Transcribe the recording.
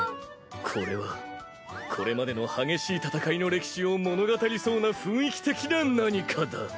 これはこれまでの激しい戦いの歴史を物語りそうな雰囲気的な何かだ。